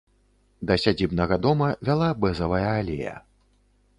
Да сядзібнага дома вяла бэзавая алея.